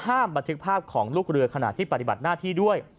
บันทึกภาพของลูกเรือขณะที่ปฏิบัติหน้าที่ด้วย